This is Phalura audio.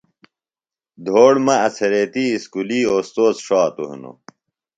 دھوڑ مہ اڅھریتی اُسکولیۡ اوستود ݜاتوۡ ہنوۡ۔